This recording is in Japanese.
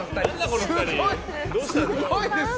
すごいです。